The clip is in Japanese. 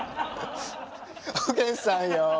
おげんさんよ！